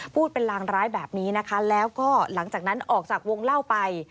พูดเป็นลางร้ายแบบนี้นะคะแล้วก็หลังจากนั้นออกจากวงเล่าไป